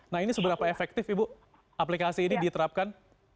nah ini seberapa efektif ibu aplikasi ini diterapkan